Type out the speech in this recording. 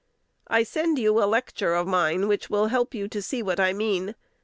I send you a lecture of mine which will help you to see what I mean.